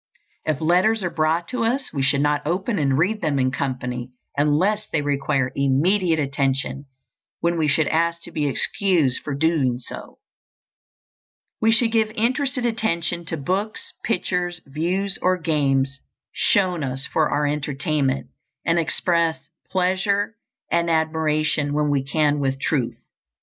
If letters are brought to us, we should not open and read them in company unless they require immediate attention, when we should ask to be excused for doing so. We should give interested attention to books, pictures, views, or games shown us for our entertainment, and express pleasure and admiration when we can with truth.